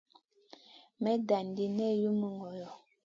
May dan ɗi nen humi ŋolo.